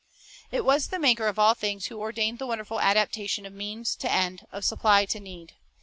' It was the Maker of all things who ordained the wonderful adaptation of means to end, of supply to need.